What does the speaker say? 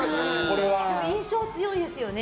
でも印象強いですよね。